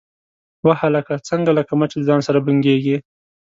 _وه هلکه، څنګه لکه مچ له ځان سره بنګېږې؟